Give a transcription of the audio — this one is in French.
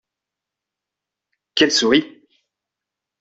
Qu’elle sourie !